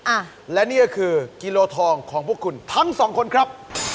อ่ะและนี่ก็คือกิโลทองของพวกคุณทั้งสองคนครับ